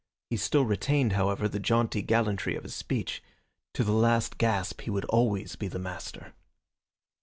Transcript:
He still retained, however, the jaunty gallantry of his speech. To the last gasp he would always be the master.